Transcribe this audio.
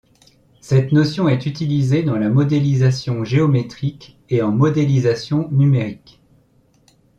Cette notion est utilisée dans la modélisation géométrique et en modélisation numérique.